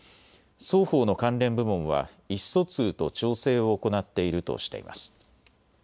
双方の関連部門は意思疎通と調整を行っているとしています。